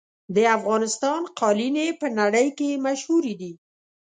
د افغانستان قالینې په نړۍ کې مشهورې دي.